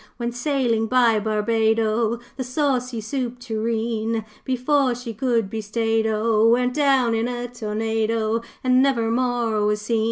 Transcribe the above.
'When sailin' by Barbado, The Saucy Soup Tureen, Before she could be stayed O Went down in a tornado, And never more was seen.